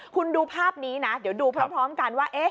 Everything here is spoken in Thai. คุณดูภาพนี้นะเดี๋ยวดูพร้อมกันว่า